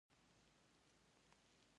غرونه – د طبیعت ستنې او د ژوند الهام